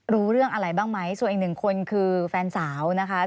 รู้เรื่องอะไรบ้างไหมส่วนอีกหนึ่งคนคือแฟนสาวนะคะ